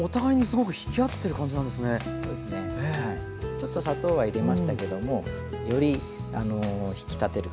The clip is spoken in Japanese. ちょっと砂糖は入れましたけどもより引き立てる感じになりますね。